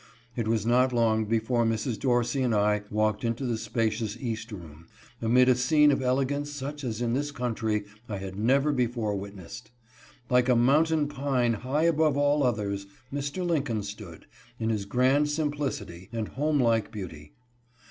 It was not long before Mrs. Dorsey and I walked into the spacious East Room, amid a scene of elegance such as in this country I had never before wit nessed. Like a mountain pine high above all others, Mr. Lincoln stood, in his grand simplicity, and home like beauty.